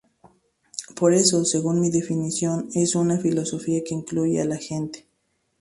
Por eso, según mi definición, es una filosofía que incluye a la gente.